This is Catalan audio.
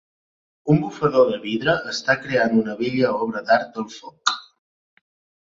Un bufador de vidre està creant una bella obra d'art al foc.